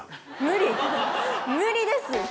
無理無理です。